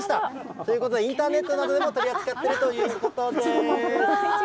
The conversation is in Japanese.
ということで、インターネットなどでも取り扱っているということです。